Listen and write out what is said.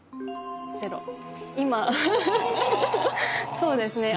そうですね。